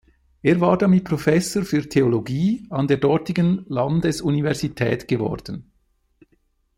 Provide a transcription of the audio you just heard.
Er war damit Professor für Theologie an der dortigen Landesuniversität geworden.